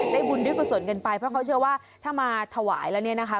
บุญด้วยกุศลกันไปเพราะเขาเชื่อว่าถ้ามาถวายแล้วเนี่ยนะคะ